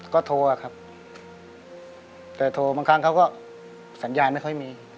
ก็โทรอะครับแต่โทรบางครั้งเขาก็สัญญาณไม่ค่อยมี